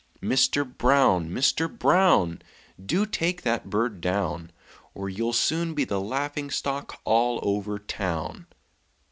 Mister Brown! Mister Brown! Do take that bird down, Or you'll soon be the laughing stock all over town!"